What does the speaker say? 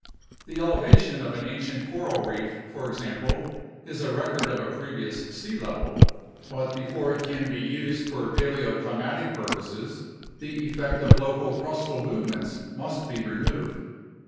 The elevation of an ancient coral reef, for example, is a record of a previous sea level, but before it can 38 UNDERSTANDING CLIMATIC CHANGE be used for paleoclimatic purposes the effect of local crustal movements must be removed.